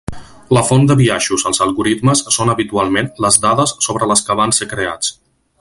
La font de biaixos als algoritmes són habitualment les dades sobre les que van ser creats.